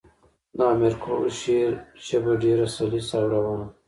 د امیر کروړ شعر ژبه ډېره سلیسه او روانه ده.